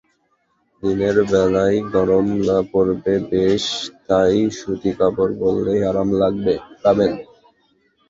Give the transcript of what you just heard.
দিনের বেলায় গরম পড়বে বেশ, তাই সুতি কাপড় পরলেই আরাম পাবেন।